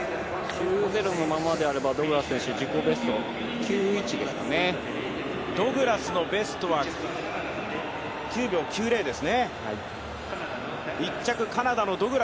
９０のままであれば自己ベスドグラスのベストは９秒９０です。